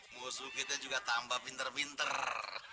musuh kita juga tambah pinter pinter